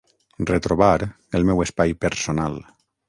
Retrobar el meu espai personal.